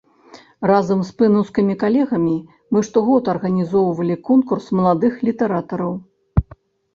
Разам з пэнаўскімі калегамі мы штогод арганізоўвалі конкурс маладых літаратараў.